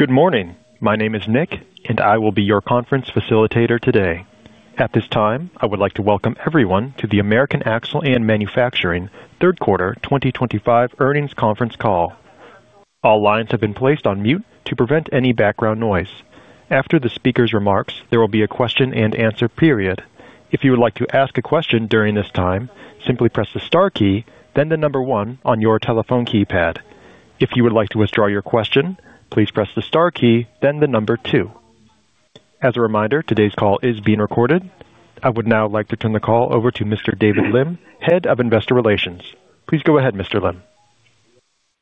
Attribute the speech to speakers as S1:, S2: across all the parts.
S1: Good morning. My name is Nick, and I will be your conference facilitator today. At this time, I would like to welcome everyone to the American Axle & Manufacturing third quarter 2025 earnings conference call. All lines have been placed on mute to prevent any background noise. After the speaker's remarks, there will be a question and answer period. If you would like to ask a question during this time, simply press the star key, then the number one on your telephone keypad. If you would like to withdraw your question, please press the star key, then the number two. As a reminder, today's call is being recorded. I would now like to turn the call over to Mr. David Lim, Head of Investor relations. Please go ahead, Mr. Lim.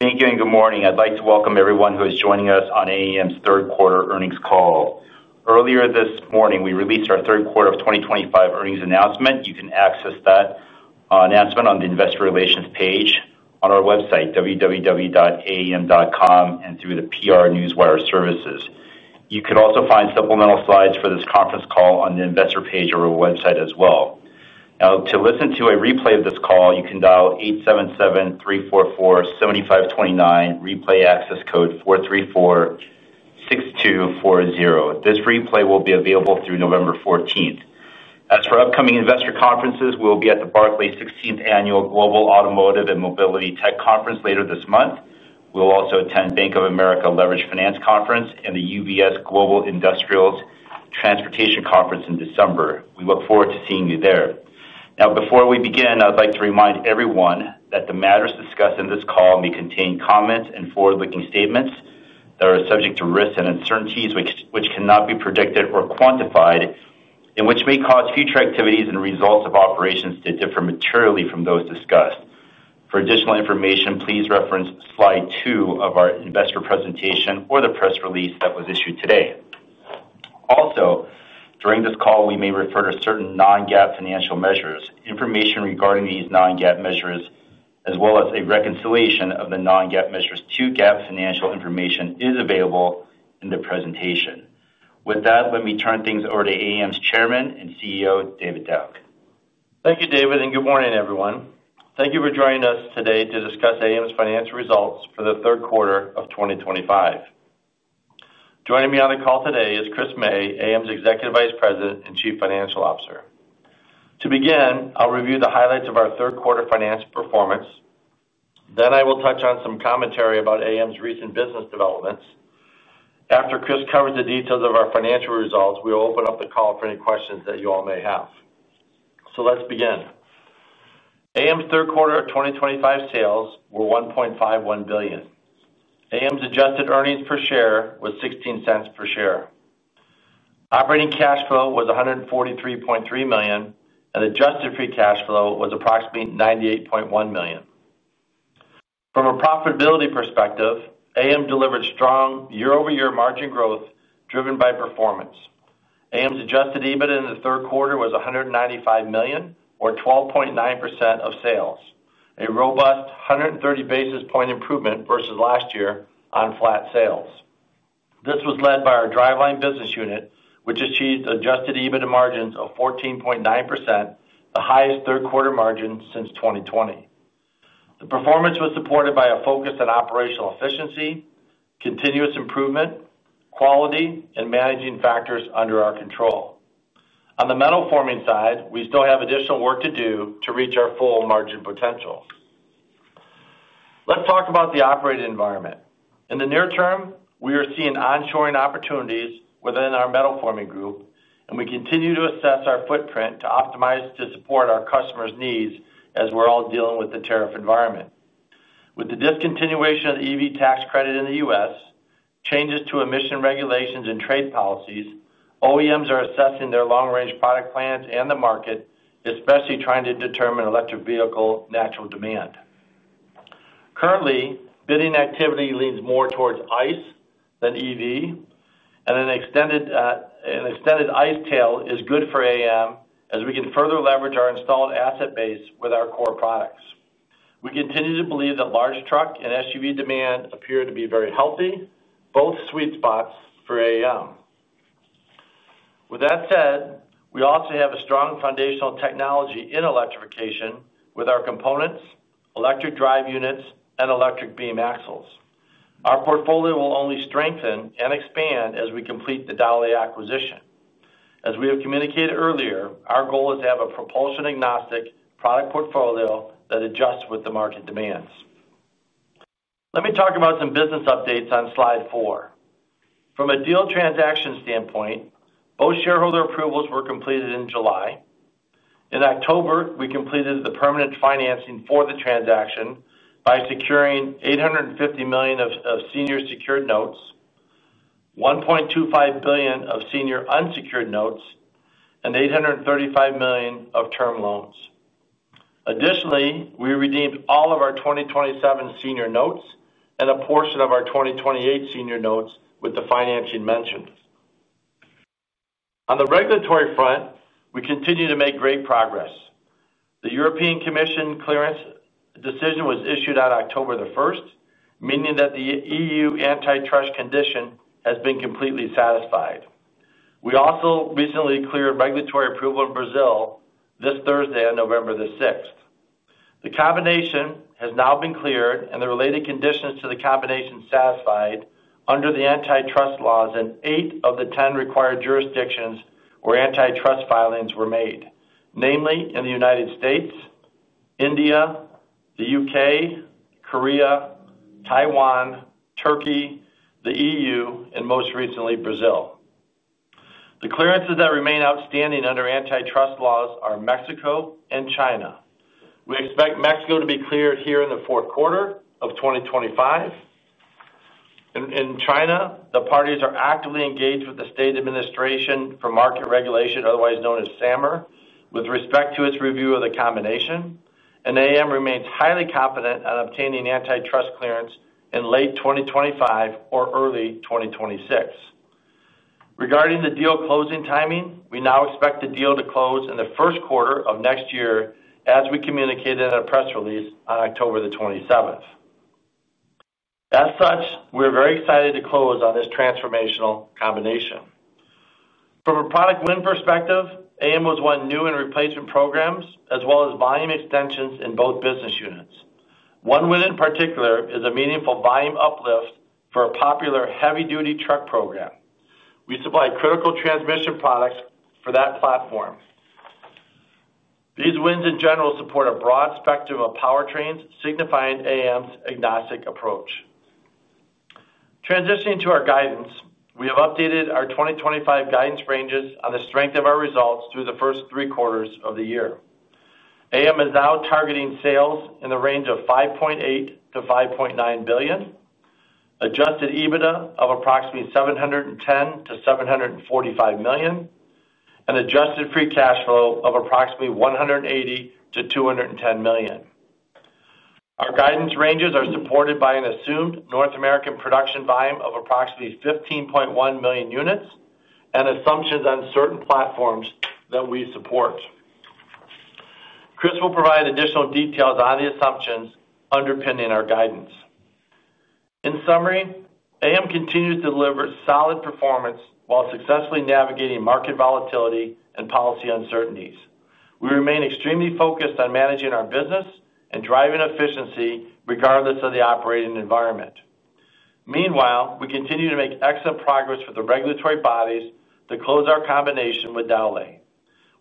S2: Thank you, and good morning. I'd like to welcome everyone who is joining us on AAM's third quarter earnings call. Earlier this morning, we released our third quarter of 2025 earnings announcement. You can access that announcement on the investor relations page on our website, www.aam.com, and through the PR Newswire services. You can also find supplemental slides for this conference call on the investor page of our website as well. Now, to listen to a replay of this call, you can dial 877-344-7529, replay access code 434-6240. This replay will be available through November 14th. As for upcoming investor conferences, we'll be at the Barclays 16th Annual Global Automotive and Mobility Tech Conference later this month. We'll also attend Bank of America Leverage Finance Conference and the UBS Global Industrials Transportation Conference in December. We look forward to seeing you there. Now, before we begin, I'd like to remind everyone that the matters discussed in this call may contain comments and forward-looking statements that are subject to risks and uncertainties, which cannot be predicted or quantified, and which may cause future activities and results of operations to differ materially from those discussed. For additional information, please reference slide two of our investor presentation or the press release that was issued today. Also, during this call, we may refer to certain non-GAAP financial measures. Information regarding these non-GAAP measures, as well as a reconciliation of the non-GAAP measures to GAAP financial information, is available in the presentation. With that, let me turn things over to AAM's Chairman and CEO, David Dauch.
S3: Thank you, David, and good morning, everyone. Thank you for joining us today to discuss AAM's financial results for the third quarter of 2025. Joining me on the call today is Chris May, AAM's Executive Vice President and Chief Financial Officer. To begin, I'll review the highlights of our third quarter financial performance. Then I will touch on some commentary about AAM's recent business developments. After Chris covers the details of our financial results, we'll open up the call for any questions that you all may have. Let's begin. AAM's third quarter of 2025 sales were $1.51 billion. AAM's adjusted earnings per share was $0.16 per share. Operating cash flow was $143.3 million, and adjusted free cash flow was approximately $98.1 million. From a profitability perspective, AAM delivered strong year-over-year margin growth driven by performance. AAM's Adjusted EBITDA in the third quarter was $195 million, or 12.9% of sales, a robust 130 basis point improvement versus last year on flat sales. This was led by our driveline business unit, which achieved adjusted EBITDA margins of 14.9%, the highest third quarter margin since 2020. The performance was supported by a focus on operational efficiency, continuous improvement, quality, and managing factors under our control. On the metal forming side, we still have additional work to do to reach our full margin potential. Let's talk about the operating environment. In the near term, we are seeing onshoring opportunities within our metal forming group, and we continue to assess our footprint to optimize to support our customers' needs as we're all dealing with the tariff environment. With the discontinuation of the EV tax credit in the U.S., changes to emission regulations and trade policies, OEMs are assessing their long-range product plans and the market, especially trying to determine electric vehicle natural demand. Currently, bidding activity leans more towards ICE than EV, and an extended ICE tail is good for AAM as we can further leverage our installed asset base with our core products. We continue to believe that large truck and SUV demand appear to be very healthy, both sweet spots for AAM. With that said, we also have a strong foundational technology in electrification with our components, electric drive units, and electric beam axles. Our portfolio will only strengthen and expand as we complete the Dauch acquisition. As we have communicated earlier, our goal is to have a propulsion-agnostic product portfolio that adjusts with the market demands. Let me talk about some business updates on slide four. From a deal transaction standpoint, both shareholder approvals were completed in July. In October, we completed the permanent financing for the transaction by securing $850 million of senior secured notes, $1.25 billion of senior unsecured notes, and $835 million of term loans. Additionally, we redeemed all of our 2027 senior notes and a portion of our 2028 senior notes with the financing mentioned. On the regulatory front, we continue to make great progress. The European Commission clearance decision was issued on October the 1st, meaning that the EU antitrust condition has been completely satisfied. We also recently cleared regulatory approval in Brazil this Thursday, on November the 6th. The combination has now been cleared, and the related conditions to the combination satisfied under the antitrust laws, in eight of the ten required jurisdictions where antitrust filings were made, namely in the United States, India, the U.K., Korea, Taiwan, Turkey, the EU, and most recently, Brazil. The clearances that remain outstanding under antitrust laws are Mexico and China. We expect Mexico to be cleared here in the fourth quarter of 2025. In China, the parties are actively engaged with the State Administration for Market Regulation, otherwise known as SAMR, with respect to its review of the combination, and AAM remains highly confident on obtaining antitrust clearance in late 2025 or early 2026. Regarding the deal closing timing, we now expect the deal to close in the first quarter of next year, as we communicated in a press release on October the 27th. As such, we are very excited to close on this transformational combination. From a product win perspective, AAM has won new and replacement programs, as well as volume extensions in both business units. One win in particular is a meaningful volume uplift for a popular heavy-duty truck program. We supply critical transmission products for that platform. These wins, in general, support a broad spectrum of powertrains, signifying AAM's agnostic approach. Transitioning to our guidance, we have updated our 2025 guidance ranges on the strength of our results through the first three quarters of the year. AAM is now targeting sales in the range of $5.8 billion-$5.9 billion, Adjusted EBITDA of approximately $710 million-$745 million, and adjusted free cash flow of approximately $180 million-$210 million. Our guidance ranges are supported by an assumed North American production volume of approximately 15.1 million units and assumptions on certain platforms that we support. Chris will provide additional details on the assumptions underpinning our guidance. In summary, AAM continues to deliver solid performance while successfully navigating market volatility and policy uncertainties. We remain extremely focused on managing our business and driving efficiency regardless of the operating environment. Meanwhile, we continue to make excellent progress with the regulatory bodies to close our combination with Dauch.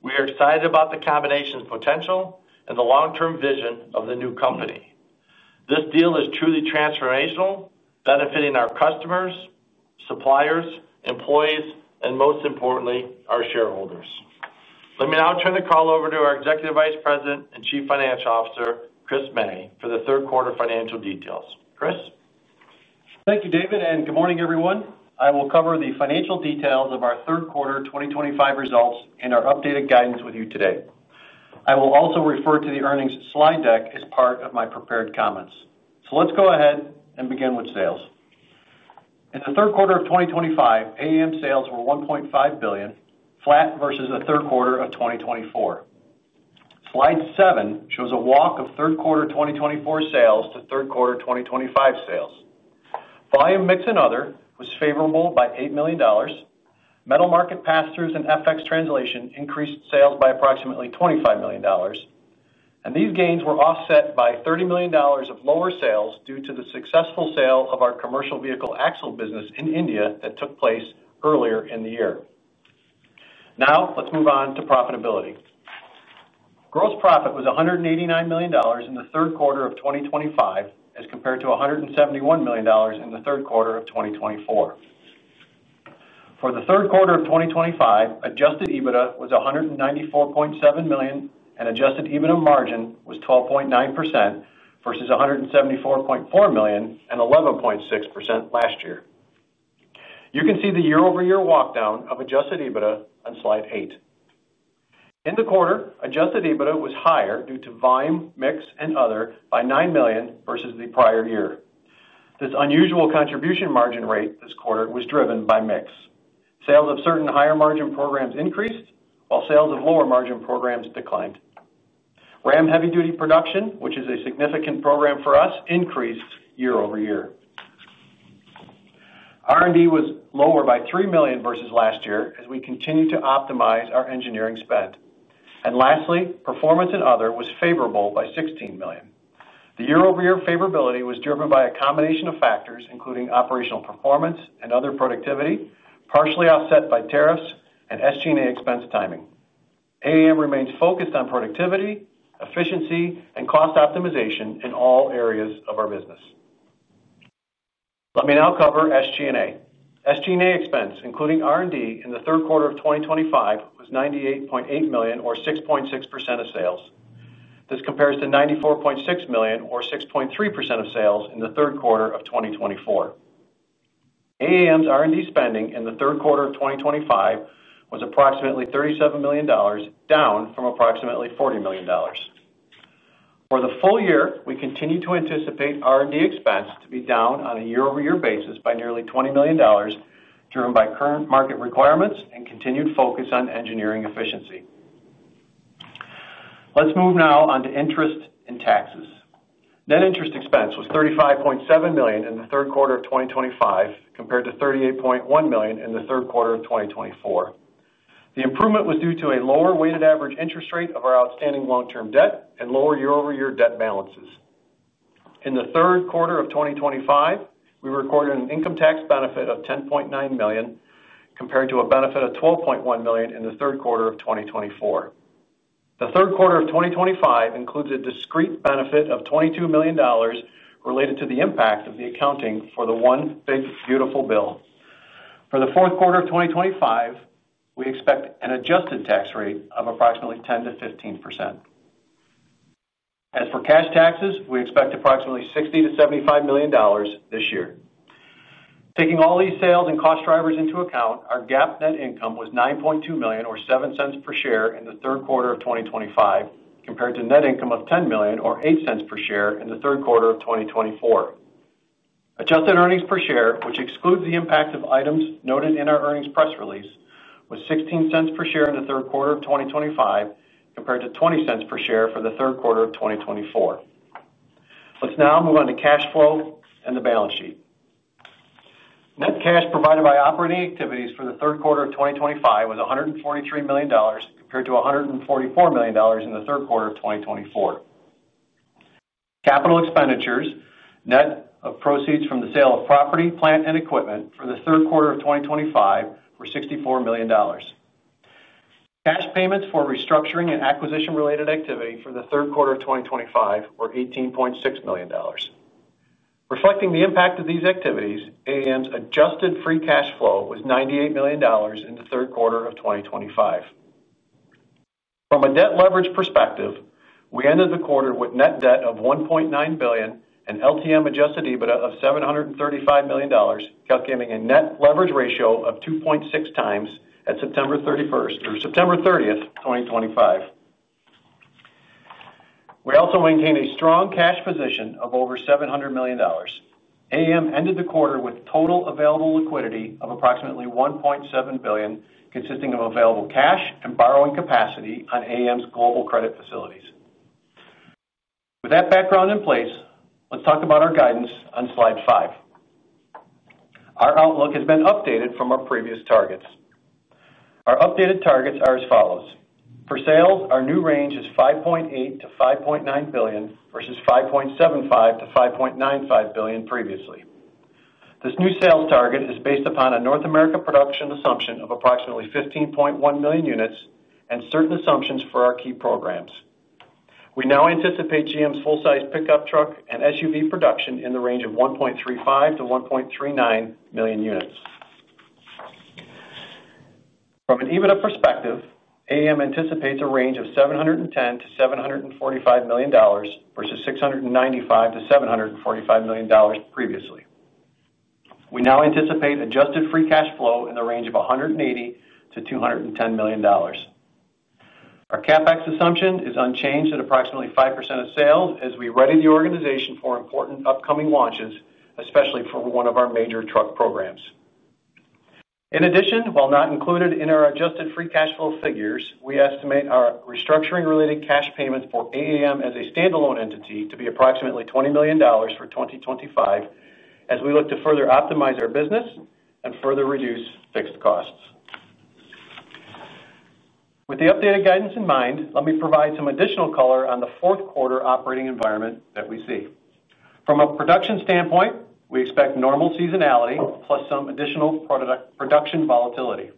S3: We are excited about the combination's potential and the long-term vision of the new company. This deal is truly transformational, benefiting our customers, suppliers, employees, and most importantly, our shareholders. Let me now turn the call over to our Executive Vice President and Chief Financial Officer, Chris May, for the third quarter financial details. Chris.
S4: Thank you, David, and good morning, everyone. I will cover the financial details of our third quarter 2025 results and our updated guidance with you today. I will also refer to the earnings slide deck as part of my prepared comments. Let's go ahead and begin with sales. In the third quarter of 2025, AAM sales were $1.5 billion, flat versus the third quarter of 2024. Slide seven shows a walk of third quarter 2024 sales to third quarter 2025 sales. Volume mix and other was favorable by $8 million. Metal market pass-throughs and FX translation increased sales by approximately $25 million. These gains were offset by $30 million of lower sales due to the successful sale of our commercial vehicle axle business in India that took place earlier in the year. Now, let's move on to profitability. Gross profit was $189 million in the third quarter of 2025 as compared to $171 million in the third quarter of 2024. For the third quarter of 2025, Adjusted EBITDA was $194.7 million, and Adjusted EBITDA margin was 12.9% versus $174.4 million and 11.6% last year. You can see the year-over-year walkdown of Adjusted EBITDA on slide eight. In the quarter, Adjusted EBITDA was higher due to volume mix and other by $9 million versus the prior year. This unusual contribution margin rate this quarter was driven by mix. Sales of certain higher margin programs increased, while sales of lower margin programs declined. RAM heavy-duty production, which is a significant program for us, increased year over year. R&D was lower by $3 million versus last year as we continue to optimize our engineering spend. Lastly, performance and other was favorable by $16 million. The year-over-year favorability was driven by a combination of factors, including operational performance and other productivity, partially offset by tariffs and SG&A expense timing. AAM remains focused on productivity, efficiency, and cost optimization in all areas of our business. Let me now cover SG&A. SG&A expense, including R&D in the third quarter of 2025, was $98.8 million, or 6.6% of sales. This compares to $94.6 million, or 6.3% of sales, in the third quarter of 2024. AAM's R&D spending in the third quarter of 2025 was approximately $37 million, down from approximately $40 million. For the full year, we continue to anticipate R&D expense to be down on a year-over-year basis by nearly $20 million, driven by current market requirements and continued focus on engineering efficiency. Let's move now on to interest and taxes. Net interest expense was $35.7 million in the third quarter of 2025 compared to $38.1 million in the third quarter of 2024. The improvement was due to a lower weighted average interest rate of our outstanding long-term debt and lower year-over-year debt balances. In the third quarter of 2025, we recorded an income tax benefit of $10.9 million compared to a benefit of $12.1 million in the third quarter of 2024. The third quarter of 2025 includes a discrete benefit of $22 million related to the impact of the accounting for the one big beautiful bill. For the fourth quarter of 2025, we expect an adjusted tax rate of approximately 10%-15%. As for cash taxes, we expect approximately $60 million-$75 million this year. Taking all these sales and cost drivers into account, our GAAP net income was $9.2 million, or $0.07 per share in the third quarter of 2025, compared to net income of $10 million, or $0.08 per share in the third quarter of 2024. Adjusted earnings per share, which excludes the impact of items noted in our earnings press release, was $0.16 per share in the third quarter of 2025 compared to $0.20 per share for the third quarter of 2024. Let's now move on to cash flow and the balance sheet. Net cash provided by operating activities for the third quarter of 2025 was $143 million compared to $144 million in the third quarter of 2024. Capital expenditures, net of proceeds from the sale of property, plant, and equipment for the third quarter of 2025, were $64 million. Cash payments for restructuring and acquisition-related activity for the third quarter of 2025 were $18.6 million. Reflecting the impact of these activities, AAM's adjusted free cash flow was $98 million in the third quarter of 2025. From a debt leverage perspective, we ended the quarter with net debt of $1.9 billion and LTM Adjusted EBITDA of $735 million, calculating a net leverage ratio of 2.6 times at September 30th, 2025. We also maintained a strong cash position of over $700 million. AAM ended the quarter with total available liquidity of approximately $1.7 billion, consisting of available cash and borrowing capacity on AAM's global credit facilities. With that background in place, let's talk about our guidance on slide five. Our outlook has been updated from our previous targets. Our updated targets are as follows. For sales, our new range is $5.8 billion-$5.9 billion versus $5.75 billion-$5.95 billion previously. This new sales target is based upon a North America production assumption of approximately 15.1 million units and certain assumptions for our key programs. We now anticipate GM's full-size pickup truck and SUV production in the range of 1.35 million-1.39 million units. From an EBITDA perspective, AAM anticipates a range of $710 million-$745 million versus $695 million-$745 million previously. We now anticipate adjusted free cash flow in the range of $180 million-$210 million. Our CapEx assumption is unchanged at approximately 5% of sales as we ready the organization for important upcoming launches, especially for one of our major truck programs. In addition, while not included in our adjusted free cash flow figures, we estimate our restructuring-related cash payments for AAM as a standalone entity to be approximately $20 million for 2025 as we look to further optimize our business and further reduce fixed costs. With the updated guidance in mind, let me provide some additional color on the fourth quarter operating environment that we see. From a production standpoint, we expect normal seasonality plus some additional production volatility.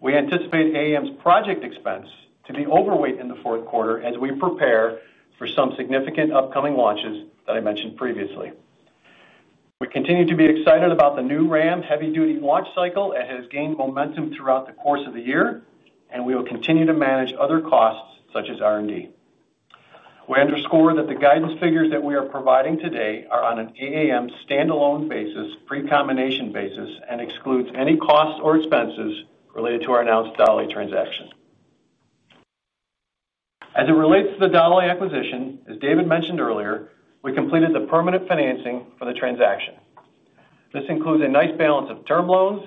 S4: We anticipate AAM's project expense to be overweight in the fourth quarter as we prepare for some significant upcoming launches that I mentioned previously. We continue to be excited about the new RAM heavy-duty launch cycle. It has gained momentum throughout the course of the year, and we will continue to manage other costs such as R&D. We underscore that the guidance figures that we are providing today are on an AAM standalone basis, pre-combination basis, and exclude any costs or expenses related to our announced Dauch transaction. As it relates to the Dauch acquisition, as David mentioned earlier, we completed the permanent financing for the transaction. This includes a nice balance of term loans,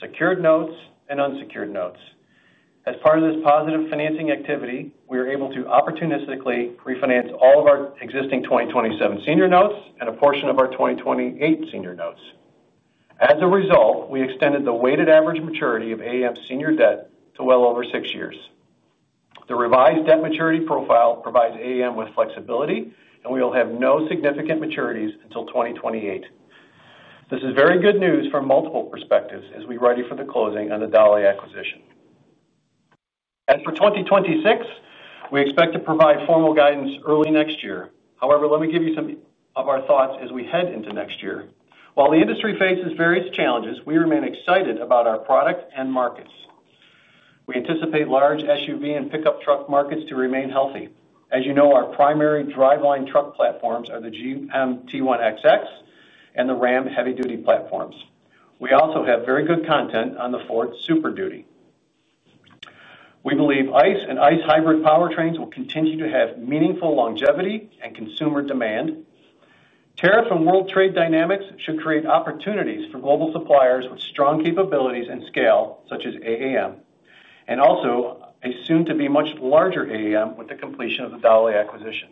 S4: secured notes, and unsecured notes. As part of this positive financing activity, we were able to opportunistically refinance all of our existing 2027 senior notes and a portion of our 2028 senior notes. As a result, we extended the weighted average maturity of AAM's senior debt to well over six years. The revised debt maturity profile provides AAM with flexibility, and we will have no significant maturities until 2028. This is very good news from multiple perspectives as we ready for the closing on the Dauch acquisition. As for 2026, we expect to provide formal guidance early next year. However, let me give you some of our thoughts as we head into next year. While the industry faces various challenges, we remain excited about our product and markets. We anticipate large SUV and pickup truck markets to remain healthy. As you know, our primary driveline truck platforms are the GM T1XX and the RAM heavy-duty platforms. We also have very good content on the Ford Super Duty. We believe ICE and ICE hybrid powertrains will continue to have meaningful longevity and consumer demand. Tariff and world trade dynamics should create opportunities for global suppliers with strong capabilities and scale, such as AAM, and also a soon-to-be much larger AAM with the completion of the Dauch acquisition.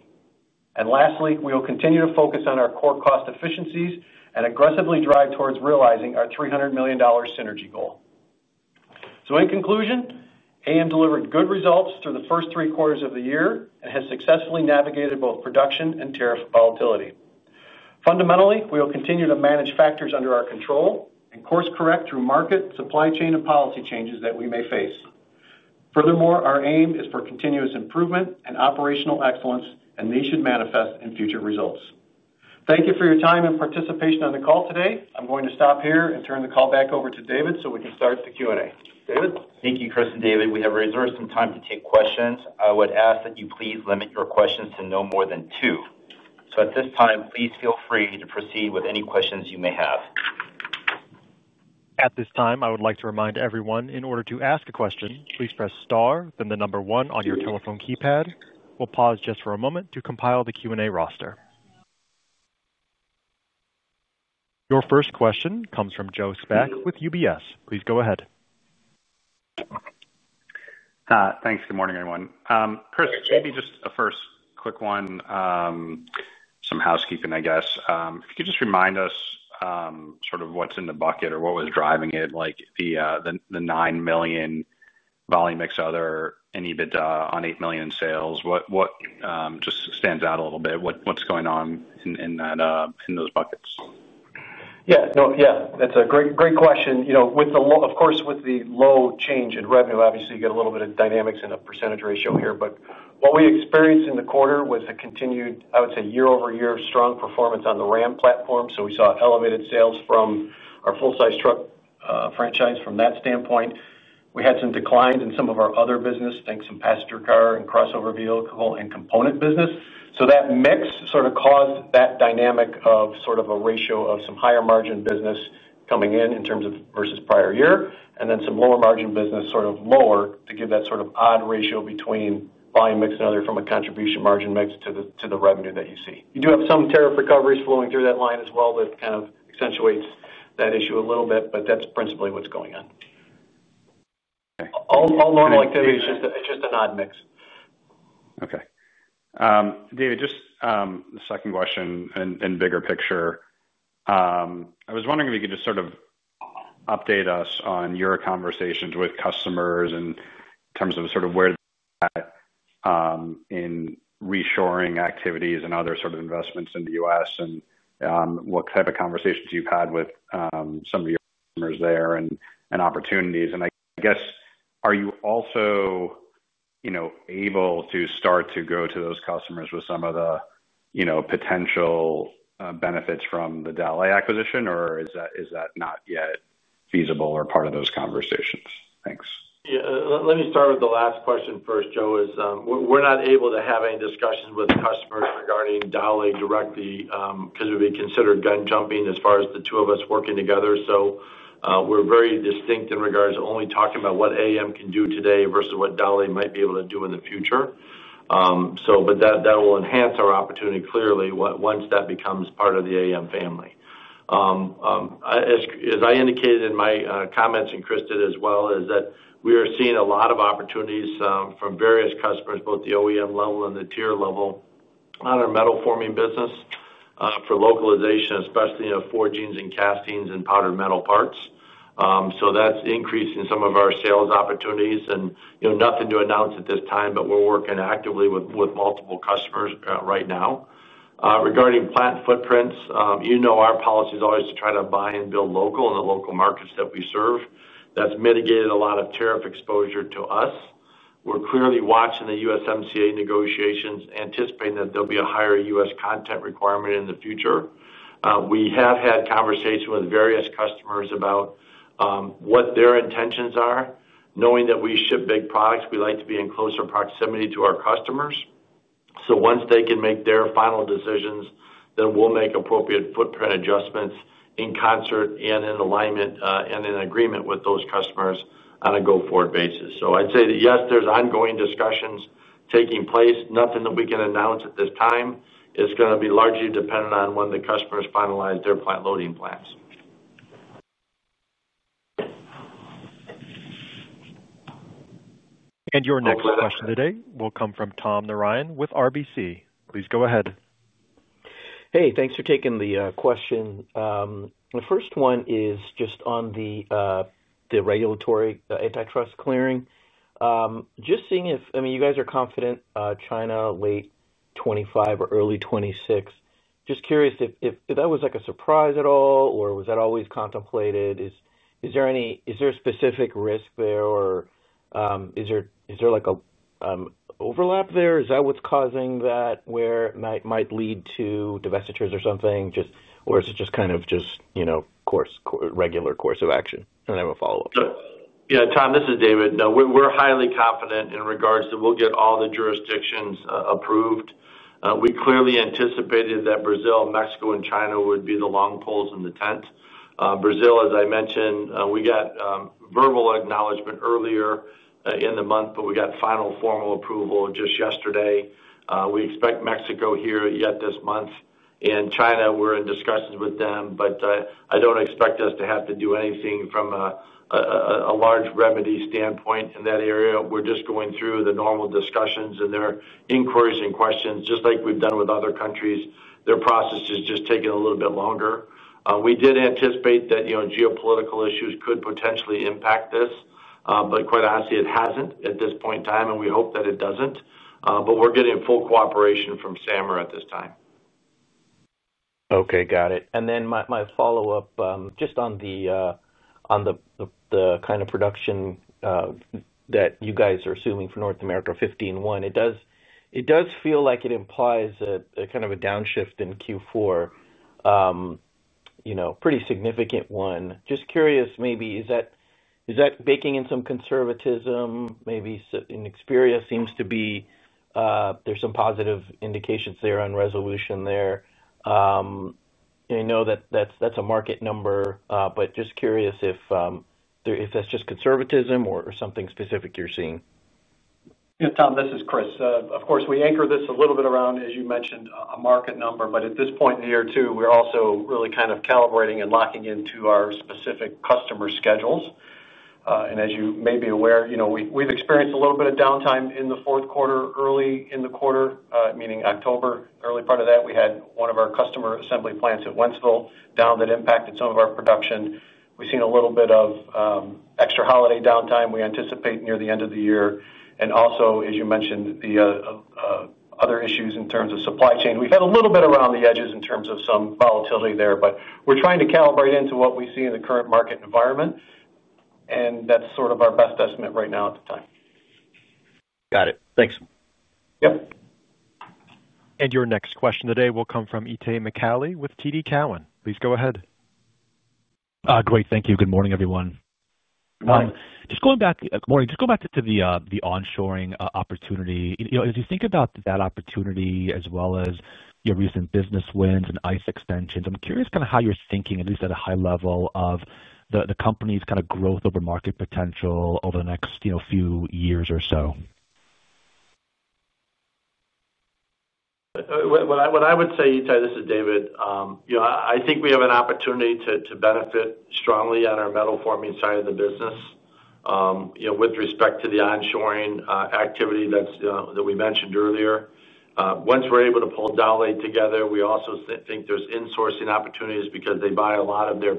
S4: Lastly, we will continue to focus on our core cost efficiencies and aggressively drive towards realizing our $300 million synergy goal. In conclusion, AAM delivered good results through the first three quarters of the year and has successfully navigated both production and tariff volatility. Fundamentally, we will continue to manage factors under our control and course-correct through market, supply chain, and policy changes that we may face. Furthermore, our aim is for continuous improvement and operational excellence, and these should manifest in future results. Thank you for your time and participation on the call today. I'm going to stop here and turn the call back over to David so we can start the Q&A. David?
S3: Thank you, Chris and David. We have reserved some time to take questions. I would ask that you please limit your questions to no more than two. At this time, please feel free to proceed with any questions you may have.
S1: At this time, I would like to remind everyone in order to ask a question, please press star, then the number one on your telephone keypad. We'll pause just for a moment to compile the Q&A roster. Your first question comes from Joe Spak with UBS. Please go ahead.
S5: Thanks. Good morning, everyone. Chris, maybe just a first quick one, some housekeeping, I guess. If you could just remind us sort of what's in the bucket or what was driving it, like the $9 million volume mix other and EBITDA on $8 million in sales, what just stands out a little bit? What's going on in those buckets?
S4: Yeah. No, yeah. That's a great question. Of course, with the low change in revenue, obviously, you get a little bit of dynamics and a percentage ratio here. What we experienced in the quarter was a continued, I would say, year-over-year strong performance on the RAM platform. We saw elevated sales from our full-size truck franchise from that standpoint. We had some declines in some of our other business, think some passenger car and crossover vehicle and component business. That mix sort of caused that dynamic of sort of a ratio of some higher margin business coming in in terms of versus prior year, and then some lower margin business sort of lower to give that sort of odd ratio between volume mix and other from a contribution margin mix to the revenue that you see. You do have some tariff recoveries flowing through that line as well, which kind of accentuates that issue a little bit, but that is principally what is going on. All normal activity is just an odd mix.
S5: Okay. David, just a second question and bigger picture. I was wondering if you could just sort of update us on your conversations with customers in terms of sort of where they're at in reshoring activities and other sort of investments in the U.S. and what type of conversations you've had with some of your customers there and opportunities. I guess, are you also able to start to go to those customers with some of the potential benefits from the Dauch acquisition, or is that not yet feasible or part of those conversations? Thanks.
S3: Yeah. Let me start with the last question first, Joe. We're not able to have any discussions with customers regarding Dauch directly because we'd be considered gun jumping as far as the two of us working together. We are very distinct in regards to only talking about what AAM can do today versus what Dauch might be able to do in the future. That will enhance our opportunity clearly once that becomes part of the AAM family. As I indicated in my comments and Chris did as well, we are seeing a lot of opportunities from various customers, both the OEM level and the tier level on our metal forming business for localization, especially in the forgings and castings and powdered metal parts. That is increasing some of our sales opportunities. Nothing to announce at this time, but we're working actively with multiple customers right now. Regarding plant footprints, our policy is always to try to buy and build local in the local markets that we serve. That has mitigated a lot of tariff exposure to us. We're clearly watching the USMCA negotiations, anticipating that there will be a higher U.S. content requirement in the future. We have had conversations with various customers about what their intentions are. Knowing that we ship big products, we like to be in closer proximity to our customers. Once they can make their final decisions, then we'll make appropriate footprint adjustments in concert and in alignment and in agreement with those customers on a go-forward basis. I'd say that, yes, there are ongoing discussions taking place. Nothing that we can announce at this time is going to be largely dependent on when the customers finalize their plant loading plans.
S1: Your next question today will come from Tom Narayan with RBC. Please go ahead.
S6: Hey, thanks for taking the question. The first one is just on the regulatory antitrust clearing. Just seeing if, I mean, you guys are confident China late 2025 or early 2026. Just curious if that was a surprise at all, or was that always contemplated? Is there a specific risk there, or is there an overlap there? Is that what's causing that where it might lead to divestitures or something? Or is it just kind of just regular course of action? I don't have a follow-up.
S3: Yeah. Tom, this is David. No, we're highly confident in regards to we'll get all the jurisdictions approved. We clearly anticipated that Brazil, Mexico, and China would be the long poles in the tent. Brazil, as I mentioned, we got verbal acknowledgment earlier in the month, but we got final formal approval just yesterday. We expect Mexico here yet this month. China, we're in discussions with them, but I don't expect us to have to do anything from a large remedy standpoint in that area. We're just going through the normal discussions and their inquiries and questions, just like we've done with other countries. Their process is just taking a little bit longer. We did anticipate that geopolitical issues could potentially impact this, quite honestly, it hasn't at this point in time, and we hope that it doesn't. We're getting full cooperation from SAMR at this time.
S6: Okay. Got it. And then my follow-up just on the kind of production that you guys are assuming for North America, 15.1, it does feel like it implies kind of a downshift in Q4, a pretty significant one. Just curious, maybe, is that baking in some conservatism? Maybe in Experia seems to be there's some positive indications there on resolution there. I know that that's a market number, but just curious if that's just conservatism or something specific you're seeing.
S4: Yeah. Tom, this is Chris. Of course, we anchor this a little bit around, as you mentioned, a market number, but at this point in the year too, we're also really kind of calibrating and locking into our specific customer schedules. As you may be aware, we've experienced a little bit of downtime in the fourth quarter, early in the quarter, meaning October, early part of that. We had one of our customer assembly plants at Wentzville down that impacted some of our production. We've seen a little bit of extra holiday downtime we anticipate near the end of the year. Also, as you mentioned, the other issues in terms of supply chain. We've had a little bit around the edges in terms of some volatility there, but we're trying to calibrate into what we see in the current market environment, and that's sort of our best estimate right now at the time.
S6: Got it. Thanks.
S4: Yep.
S1: Your next question today will come from Itay Michaeli with TD Cowen. Please go ahead.
S7: Great. Thank you. Good morning, everyone. Just going back, good morning. Just going back to the onshoring opportunity, as you think about that opportunity as well as your recent business wins and ICE extensions, I'm curious kind of how you're thinking, at least at a high level, of the company's kind of growth over market potential over the next few years or so.
S3: What I would say, Itay, this is David. I think we have an opportunity to benefit strongly on our metal forming side of the business with respect to the onshoring activity that we mentioned earlier. Once we are able to pull Dauch together, we also think there are insourcing opportunities because they buy a lot of their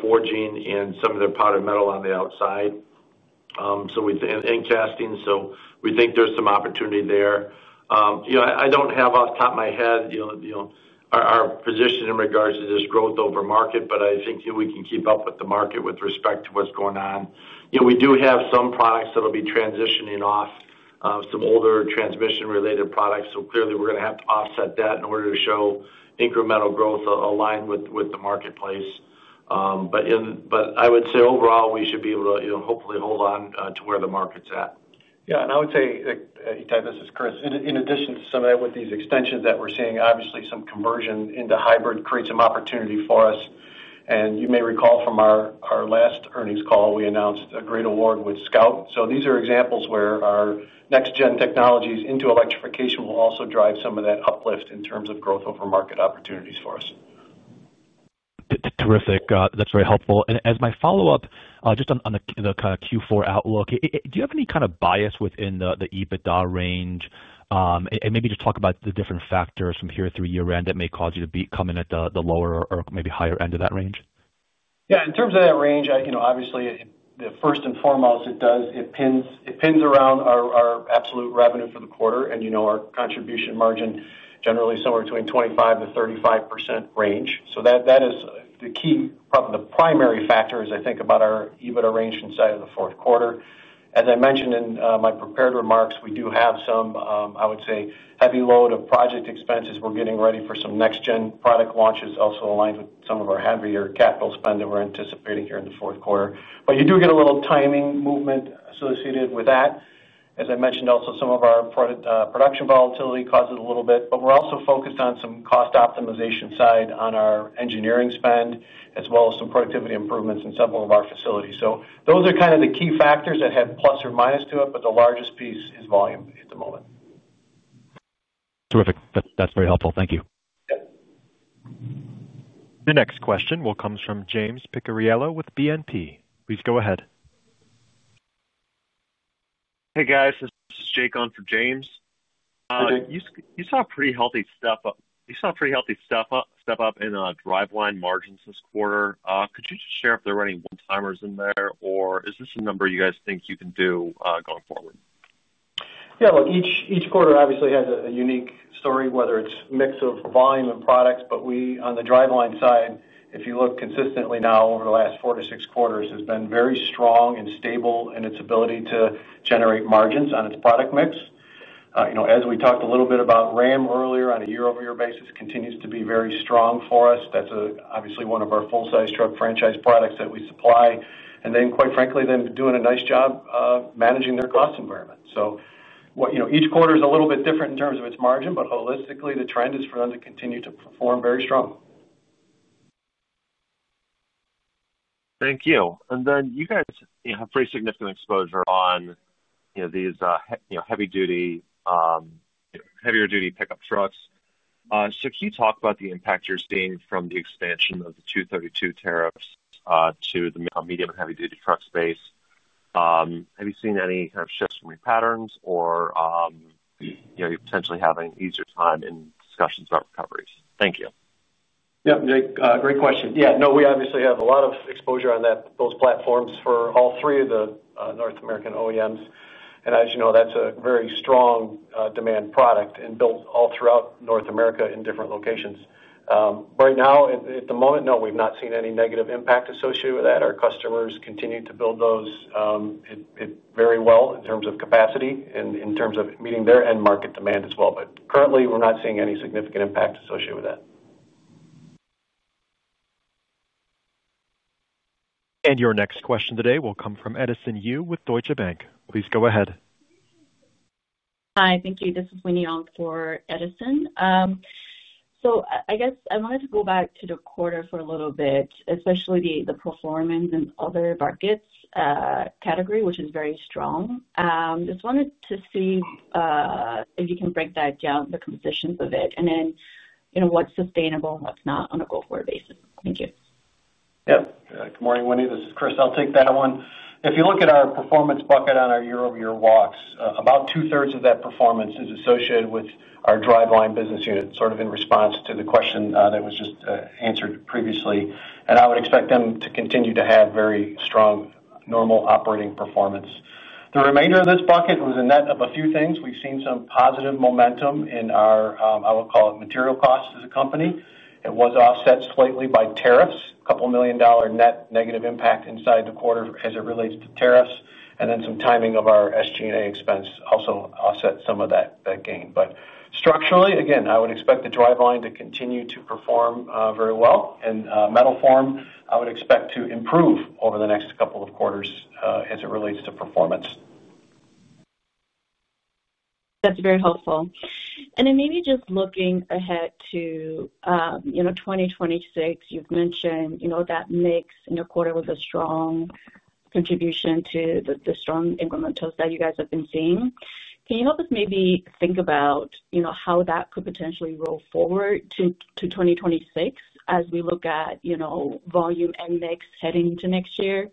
S3: forging and some of their powdered metal on the outside. We think, and casting, so we think there is some opportunity there. I do not have off the top of my head our position in regards to this growth over market, but I think we can keep up with the market with respect to what is going on. We do have some products that will be transitioning off some older transmission-related products. Clearly, we are going to have to offset that in order to show incremental growth aligned with the marketplace. I would say overall, we should be able to hopefully hold on to where the market's at.
S4: Yeah. I would say, Itay, this is Chris. In addition to some of that with these extensions that we're seeing, obviously, some conversion into hybrid creates some opportunity for us. You may recall from our last earnings call, we announced a great award with Scout. These are examples where our next-gen technologies into electrification will also drive some of that uplift in terms of growth over market opportunities for us.
S7: Terrific. That's very helpful. As my follow-up, just on the kind of Q4 outlook, do you have any kind of bias within the EBITDA range? Maybe just talk about the different factors from here through year-end that may cause you to be coming at the lower or maybe higher end of that range.
S4: Yeah. In terms of that range, obviously, first and foremost, it pins around our absolute revenue for the quarter and our contribution margin, generally somewhere between 25%-35% range. That is the key, probably the primary factors, I think, about our EBITDA range inside of the fourth quarter. As I mentioned in my prepared remarks, we do have some, I would say, heavy load of project expenses. We're getting ready for some next-gen product launches also aligned with some of our heavier capital spend that we're anticipating here in the fourth quarter. You do get a little timing movement associated with that. As I mentioned, also some of our production volatility causes a little bit. We're also focused on some cost optimization side on our engineering spend as well as some productivity improvements in several of our facilities. Those are kind of the key factors that have plus or minus to it, but the largest piece is volume at the moment.
S7: Terrific. That's very helpful. Thank you.
S4: Yep.
S1: The next question will come from James Picariello with BNP. Please go ahead.
S8: Hey, guys. This is Jay Kohn from James. You saw pretty healthy step up in driveline margins this quarter. Could you just share if there are any one-timers in there, or is this a number you guys think you can do going forward?
S4: Yeah. Each quarter obviously has a unique story, whether it's a mix of volume and products. On the driveline side, if you look consistently now over the last four to six quarters, it has been very strong and stable in its ability to generate margins on its product mix. As we talked a little bit about RAM earlier, on a year-over-year basis, continues to be very strong for us. That's obviously one of our full-size truck franchise products that we supply. Quite frankly, they've been doing a nice job managing their cost environment. Each quarter is a little bit different in terms of its margin, but holistically, the trend is for them to continue to perform very strong.
S8: Thank you. You guys have pretty significant exposure on these heavier-duty pickup trucks. Can you talk about the impact you are seeing from the expansion of the 232 tariffs to the medium and heavy-duty truck space? Have you seen any kind of shifts from your patterns, or are you potentially having an easier time in discussions about recoveries? Thank you.
S4: Yep. Great question. Yeah. No, we obviously have a lot of exposure on those platforms for all three of the North American OEMs. As you know, that is a very strong demand product and built all throughout North America in different locations. Right now, at the moment, no, we have not seen any negative impact associated with that. Our customers continue to build those very well in terms of capacity and in terms of meeting their end market demand as well. Currently, we are not seeing any significant impact associated with that.
S1: Your next question today will come from Edison Yu with Deutsche Bank. Please go ahead.
S9: Hi. Thank you. This is Winnie Yan for Edison. I guess I wanted to go back to the quarter for a little bit, especially the performance in other markets category, which is very strong. Just wanted to see if you can break that down, the compositions of it, and then what's sustainable and what's not on a go-forward basis. Thank you.
S4: Yep. Good morning, Winnie. This is Chris. I'll take that one. If you look at our performance bucket on our year-over-year walks, about 2/3 of that performance is associated with our driveline business unit, sort of in response to the question that was just answered previously. I would expect them to continue to have very strong normal operating performance. The remainder of this bucket was a net of a few things. We've seen some positive momentum in our, I will call it, material costs as a company. It was offset slightly by tariffs, a couple million dollar net negative impact inside the quarter as it relates to tariffs, and then some timing of our SG&A expense also offset some of that gain. Structurally, again, I would expect the driveline to continue to perform very well. Metal form, I would expect to improve over the next couple of quarters as it relates to performance.
S9: That's very helpful. Maybe just looking ahead to 2026, you've mentioned that mix in the quarter was a strong contribution to the strong incrementals that you guys have been seeing. Can you help us maybe think about how that could potentially roll forward to 2026 as we look at volume and mix heading into next year?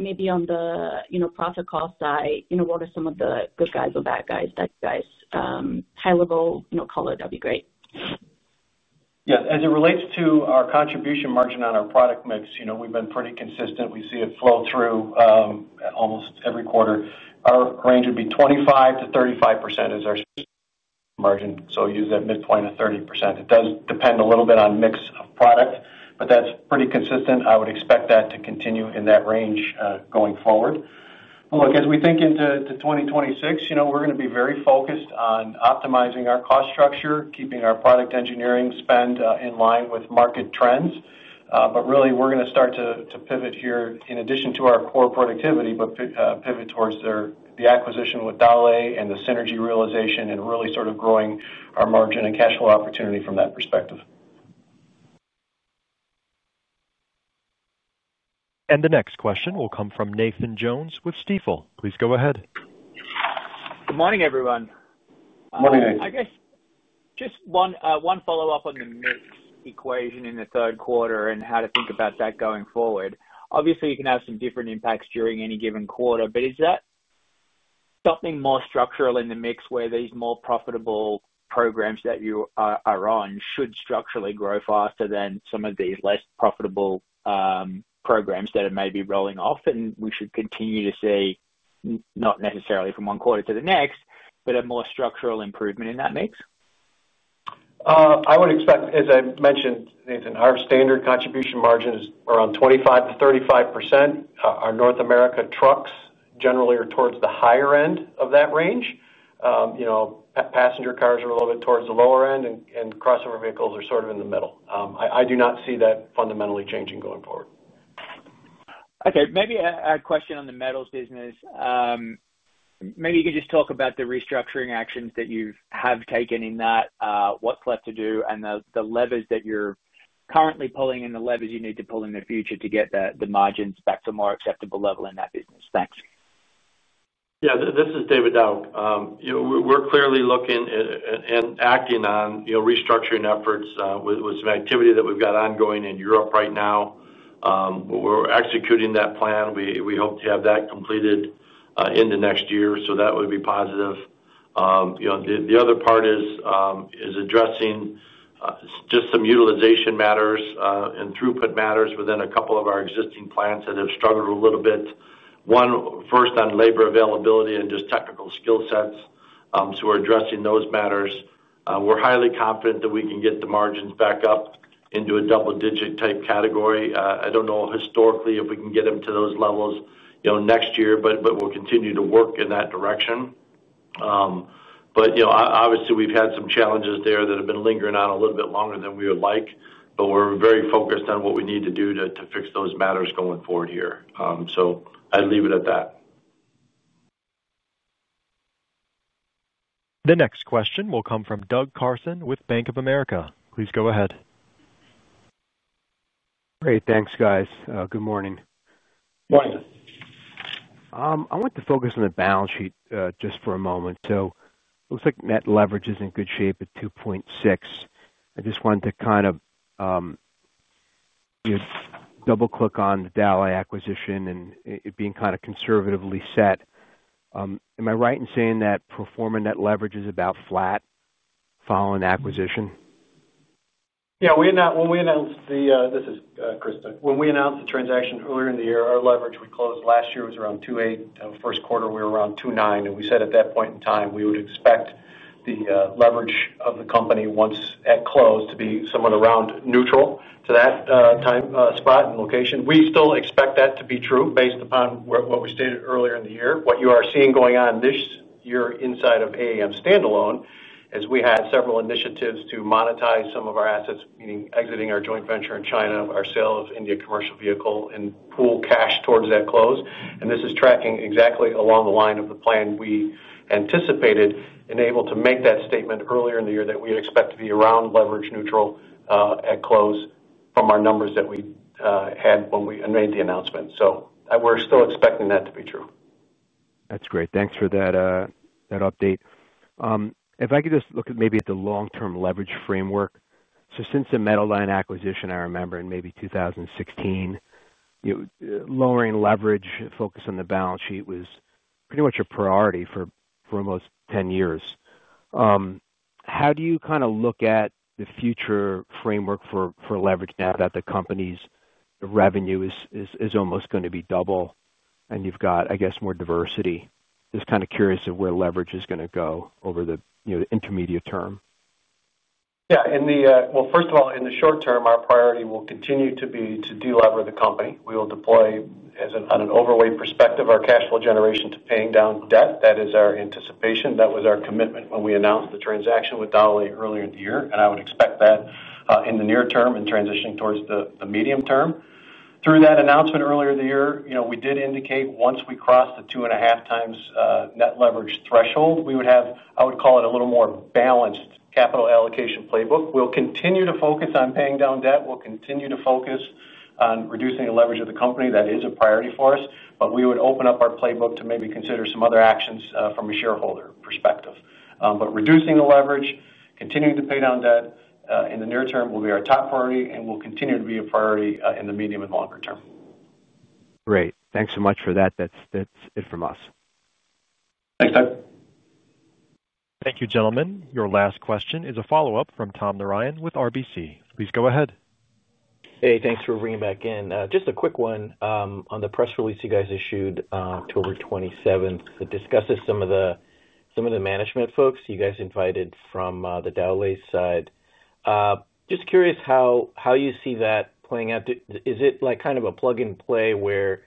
S9: Maybe on the profit cost side, what are some of the good guys or bad guys, that guys, high-level color? That'd be great.
S4: Yeah. As it relates to our contribution margin on our product mix, we've been pretty consistent. We see it flow through almost every quarter. Our range would be 25%-35% is our margin. So use that midpoint of 30%. It does depend a little bit on mix of product, but that's pretty consistent. I would expect that to continue in that range going forward. Look, as we think into 2026, we're going to be very focused on optimizing our cost structure, keeping our product engineering spend in line with market trends. Really, we're going to start to pivot here, in addition to our core productivity, but pivot towards the acquisition with Dauch and the synergy realization and really sort of growing our margin and cash flow opportunity from that perspective.
S1: The next question will come from Nathan Jones with Stifel. Please go ahead.
S10: Good morning, everyone.
S4: Good morning, Nathan.
S10: I guess just one follow-up on the mix equation in the third quarter and how to think about that going forward. Obviously, you can have some different impacts during any given quarter, but is that something more structural in the mix where these more profitable programs that you are on should structurally grow faster than some of these less profitable programs that are maybe rolling off? We should continue to see, not necessarily from one quarter to the next, but a more structural improvement in that mix?
S4: I would expect, as I mentioned, Nathan, our standard contribution margin is around 25%-35%. Our North America trucks generally are towards the higher end of that range. Passenger cars are a little bit towards the lower end, and crossover vehicles are sort of in the middle. I do not see that fundamentally changing going forward.
S10: Okay. Maybe a question on the metals business. Maybe you can just talk about the restructuring actions that you have taken in that, what is left to do, and the levers that you are currently pulling and the levers you need to pull in the future to get the margins back to a more acceptable level in that business. Thanks.
S3: Yeah. This is David Dauch. We're clearly looking and acting on restructuring efforts with some activity that we've got ongoing in Europe right now. We're executing that plan. We hope to have that completed in the next year, so that would be positive. The other part is addressing just some utilization matters and throughput matters within a couple of our existing plants that have struggled a little bit. One, first, on labor availability and just technical skill sets. So we're addressing those matters. We're highly confident that we can get the margins back up into a double-digit type category. I don't know historically if we can get them to those levels next year, but we'll continue to work in that direction. Obviously, we've had some challenges there that have been lingering on a little bit longer than we would like, but we're very focused on what we need to do to fix those matters going forward here. I'd leave it at that.
S1: The next question will come from Doug Karson with Bank of America. Please go ahead.
S11: Great. Thanks, guys. Good morning.
S3: Good morning.
S11: I want to focus on the balance sheet just for a moment. So it looks like net leverage is in good shape at 2.6. I just wanted to kind of double-click on the Dauch acquisition and it being kind of conservatively set. Am I right in saying that performance net leverage is about flat following acquisition?
S4: Yeah. When we announced the—this is Chris. When we announced the transaction earlier in the year, our leverage we closed last year was around 2.8. First quarter, we were around 2.9. And we said at that point in time, we would expect the leverage of the company once at close to be somewhere around neutral to that time spot and location. We still expect that to be true based upon what we stated earlier in the year. What you are seeing going on this year inside of AAM Standalone, as we had several initiatives to monetize some of our assets, meaning exiting our joint venture in China, our sale of India commercial vehicle, and pool cash towards that close. This is tracking exactly along the line of the plan we anticipated and able to make that statement earlier in the year that we expect to be around leverage neutral at close from our numbers that we had when we made the announcement. We are still expecting that to be true.
S11: That's great. Thanks for that update. If I could just look at maybe at the long-term leverage framework. Since the metal line acquisition, I remember in maybe 2016, lowering leverage, focus on the balance sheet was pretty much a priority for almost 10 years. How do you kind of look at the future framework for leverage now that the company's revenue is almost going to be double and you've got, I guess, more diversity? Just kind of curious of where leverage is going to go over the intermediate term.
S4: Yeah. First of all, in the short term, our priority will continue to be to delever the company. We will deploy, on an overweight perspective, our cash flow generation to paying down debt. That is our anticipation. That was our commitment when we announced the transaction with Dauch earlier in the year. I would expect that in the near term and transitioning towards the medium term. Through that announcement earlier in the year, we did indicate once we crossed the two and a half times net leverage threshold, we would have, I would call it, a little more balanced capital allocation playbook. We'll continue to focus on paying down debt. We'll continue to focus on reducing the leverage of the company. That is a priority for us. We would open up our playbook to maybe consider some other actions from a shareholder perspective. Reducing the leverage, continuing to pay down debt in the near term will be our top priority, and will continue to be a priority in the medium and longer term.
S11: Great. Thanks so much for that. That's it from us.
S3: Thanks, Doug.
S1: Thank you, gentlemen. Your last question is a follow-up from Tom Narayan with RBC. Please go ahead.
S6: Hey, thanks for bringing back in. Just a quick one on the press release you guys issued October 27th that discusses some of the management folks you guys invited from the Dauch side. Just curious how you see that playing out. Is it kind of a plug-and-play where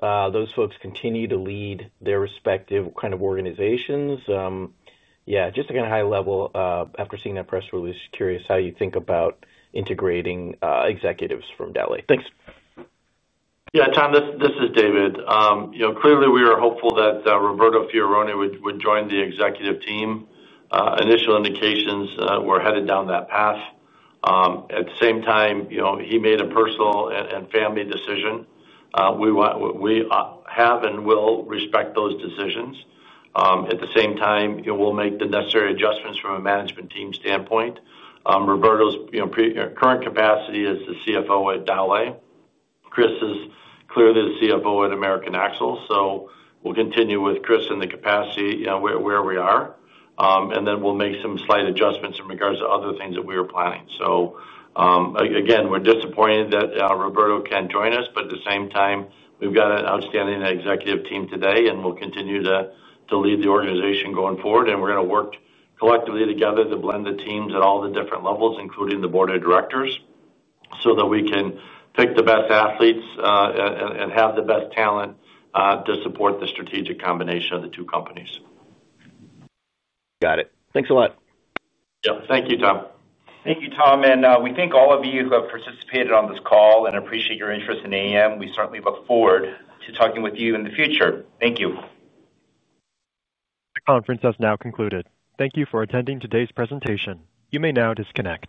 S6: those folks continue to lead their respective kind of organizations? Yeah. Just at a high level, after seeing that press release, curious how you think about integrating executives from Dauch. Thanks.
S3: Yeah. Tom, this is David. Clearly, we are hopeful that Roberto Fiorone would join the executive team. Initial indications were headed down that path. At the same time, he made a personal and family decision. We have and will respect those decisions. At the same time, we'll make the necessary adjustments from a management team standpoint. Roberto's current capacity is the CFO at Dauch. Chris is clearly the CFO at American Axle. We'll continue with Chris in the capacity where we are. We'll make some slight adjustments in regards to other things that we are planning. Again, we're disappointed that Roberto can't join us, but at the same time, we've got an outstanding executive team today, and we'll continue to lead the organization going forward. We are going to work collectively together to blend the teams at all the different levels, including the board of directors, so that we can pick the best athletes and have the best talent to support the strategic combination of the two companies.
S6: Got it. Thanks a lot.
S3: Yep. Thank you, Tom.
S2: Thank you, Tom. We thank all of you who have participated on this call and appreciate your interest in AAM. We certainly look forward to talking with you in the future. Thank you.
S1: The conference has now concluded. Thank you for attending today's presentation. You may now disconnect.